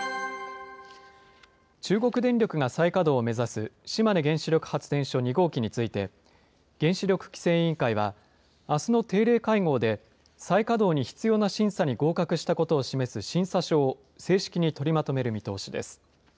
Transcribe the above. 中国電力が再稼働を目指す島根原子力発電所２号機について、原子力規制委員会は、あすの定例会合で、再稼働に必要な審査に合格したことを示す審査書を正式に取りまとめる見通しです。